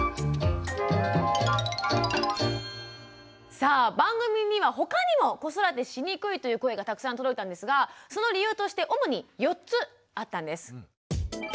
さあ番組には他にも子育てしにくいという声がたくさん届いたんですがその理由として主に４つあったんです。